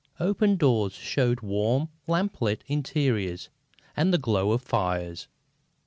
Open doors showed warm, lamp lit interiors and the glow of fires.